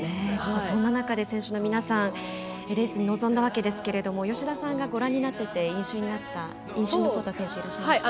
そんな中、選手の皆さんレースに臨んだわけですが吉田さんがご覧になって印象に残った選手はいらっしゃいましたか。